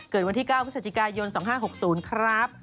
วันที่๙พฤศจิกายน๒๕๖๐ครับ